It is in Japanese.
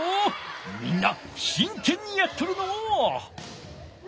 みんなしんけんにやっとるのう。